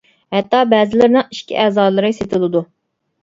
ھەتتا بەزىلىرىنىڭ ئىچكى ئەزالىرى سېتىلىدۇ.